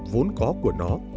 vốn có của nó